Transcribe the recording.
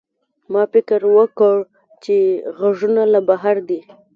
ما فکر وکړ چې غږونه له بهر دي.